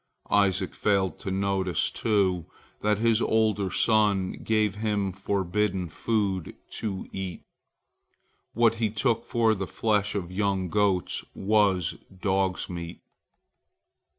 Isaac failed to notice, too, that his older son gave him forbidden food to eat. What he took for the flesh of young goats was dog's meat.